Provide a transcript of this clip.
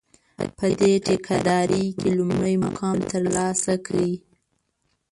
په دې ټېکه داري کې لومړی مقام ترلاسه کړي.